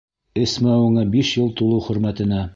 Эсмәүеңә биш йыл тулыу хөрмәтенә.